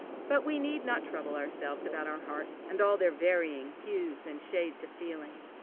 But we need not trouble ourselves about our hearts, and all their varying hues and shades of feeling.